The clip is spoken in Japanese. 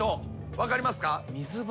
分かりますか？